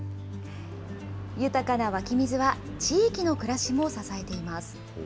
豊かな湧き水は、地域の暮らしも支えています。